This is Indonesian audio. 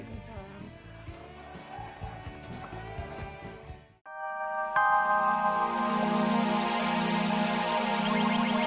sani jalan ya